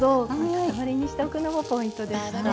塊にしておくのもポイントでした。